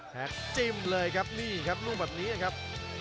จิ้มเลยครับนี่ครับลูกแบบนี้ครับ